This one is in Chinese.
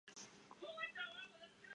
位于该国中部和东南部的过渡地带。